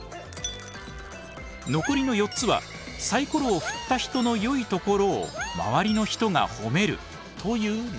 残りの４つはサイコロを振った人のよいところを周りの人がほめるというルールです。